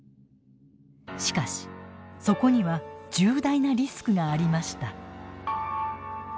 しかしそこには重大なリスクがありました。